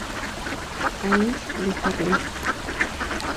Anne de Haarlem.